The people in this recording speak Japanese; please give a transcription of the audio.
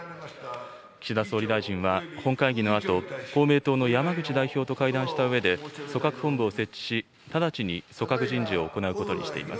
岸田総理大臣は本会議のあと、公明党の山口代表と会談したうえで組閣本部を設置し、直ちに組閣人事を行うことにしています。